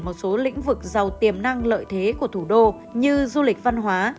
một số lĩnh vực giàu tiềm năng lợi thế của thủ đô như du lịch văn hóa